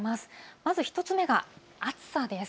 まず１つ目が暑さです。